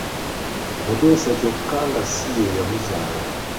Muteesa kyokka nga si ye yamuzaala.